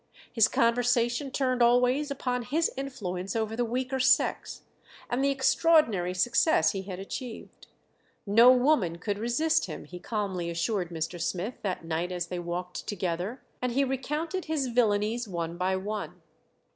His conversation turned always upon his influence over the weaker sex, and the extraordinary success he had achieved. No woman could resist him, he calmly assured Mr. Smith that night as they walked together, and he recounted his villanies one by one.